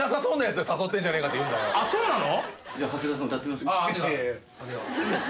あっそうなの⁉